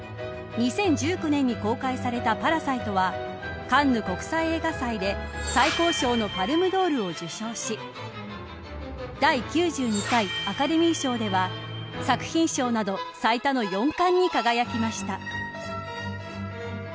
２０１９年に公開されたパラサイトはカンヌ国際映画祭で最高賞のパルムドールを受賞し第９２回アカデミー賞では作品賞など最多の４冠に輝きました。